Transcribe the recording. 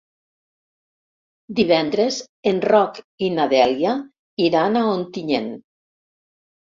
Divendres en Roc i na Dèlia iran a Ontinyent.